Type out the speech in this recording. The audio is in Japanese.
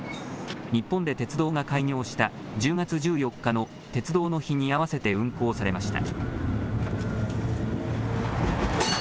日本で鉄道が開業した１０月１４日の鉄道の日に合わせて運行されました。